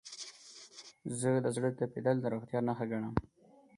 زه د زړه تپیدل د روغتیا نښه ګڼم.